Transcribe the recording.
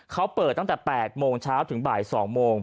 เขาเปิดตั้งแต่๘โมงเช้าถึงบ่าย๒โมง